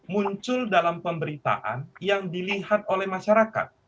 muncul dalam pemberitaan yang dilihat oleh masyarakat